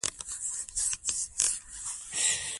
ته دا کوژده وکړه.